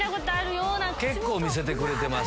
結構見せてくれてます。